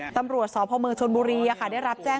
ตำรวจสพเมืองชนบุรีได้รับแจ้ง